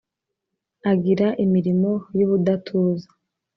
Agira imirimo y’ubudatuza